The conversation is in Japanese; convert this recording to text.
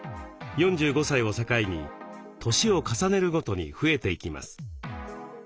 ４５歳を境に年を重ねるごとに増えていきます。